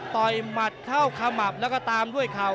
หมัดเข้าขมับแล้วก็ตามด้วยเข่า